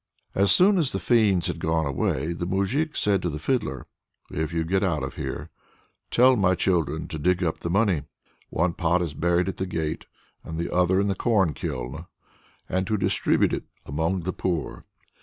As soon as the fiends had gone away the moujik said to the Fiddler: "If you get out of here, tell my children to dig up the money one pot is buried at the gate, and the other in the corn kiln and to distribute it among the poor."